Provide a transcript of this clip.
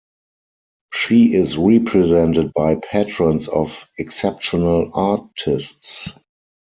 She is represented by Patrons of Exceptional Artists.